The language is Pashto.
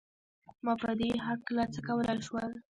ما په دې هکله څه کولای شول؟